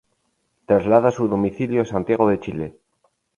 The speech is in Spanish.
Traslada su domicilio a Santiago de Chile.